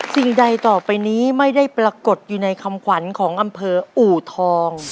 สิ่งใดต่อไปนี้ไม่ได้ปรากฏอยู่ในคำขวัญของอำเภออูทอง